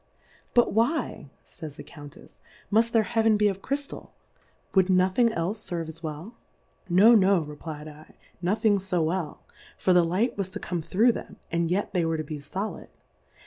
Biltr why, jQf ys the Count efs^ muft their Hea ven be of Ciyftal, wou'd nothing elfe ferve as v/ell? No, no, reflfd i, no thing fo well ; for the Light was to come through them., and yet they v/ere to be foUd.